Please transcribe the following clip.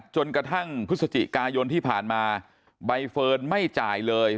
จนกระทั่งพฤศจิกายนที่ผ่านมาใบเฟิร์นไม่จ่ายเลย